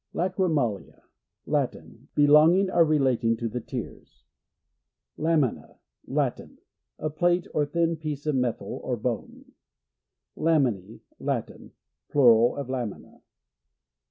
Lachrymalia. — Latin. Belonging or relating to the tears. Lamina. — Latin. A plate, or thin piece of metal or bone. Lamuls. — Latin. Plural of Lamina.